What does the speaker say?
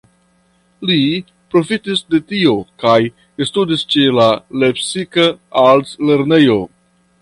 Li profitis de tio kaj studis ĉe la lepsika altlernejo.